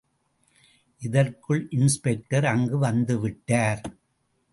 இதற்குள் இன்ஸ்பெக்டர் அங்கு வந்து விட்டார்.